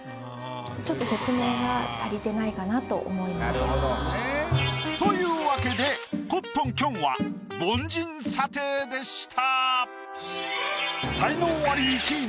更にこれがちょっとというわけでコットンきょんは凡人査定でした。